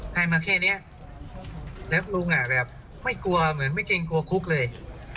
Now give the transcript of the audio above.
ให้มาแค่นี้แล้วลุงไม่กลัวเหมือนไม่เต็มกลัวครุกเลย